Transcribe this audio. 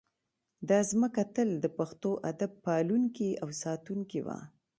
دا ځمکه تل د پښتو ادب پالونکې او ساتونکې وه